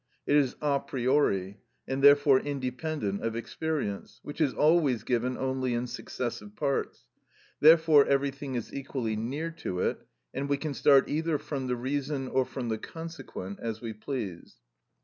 It is a priori, and therefore independent of experience, which is always given only in successive parts; therefore everything is equally near to it, and we can start either from the reason or from the consequent, as we please.